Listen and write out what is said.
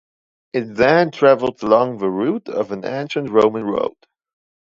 It then travels along the route of an ancient Roman road.